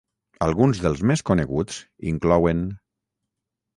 Alguns dels més coneguts inclouen.